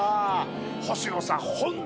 星野さん。